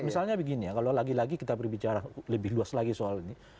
misalnya begini ya kalau lagi lagi kita berbicara lebih luas lagi soal ini